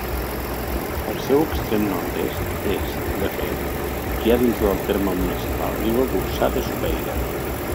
El seu extrem nord-oest és, de fet, ja dins del terme municipal ribagorçà de Sopeira.